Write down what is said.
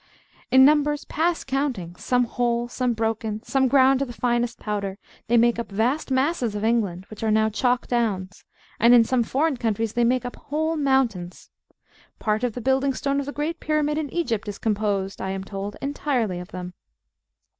In numbers past counting, some whole, some broken, some ground to the finest powder, they make up vast masses of England, which are now chalk downs; and in some foreign countries they make up whole mountains. Part of the building stone of the Great Pyramid in Egypt is composed, I am told, entirely of them.